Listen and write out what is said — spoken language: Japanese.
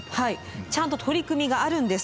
ちゃんと取り組みがあるんです。